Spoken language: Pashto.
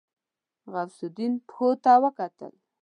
غوث الدين پښو ته وکتل.